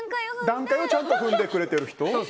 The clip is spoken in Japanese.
段階をちゃんと踏んでくれていると。